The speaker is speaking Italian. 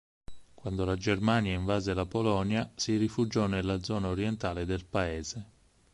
Quando la Germania invase la Polonia, si rifugiò nella zona orientale del paese.